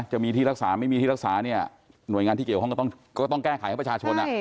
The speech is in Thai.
จะมีที่รักษาไม่มีที่รักษาเนี่ยหน่วยงานที่เกี่ยวข้องก็ต้องแก้ไขให้ประชาชน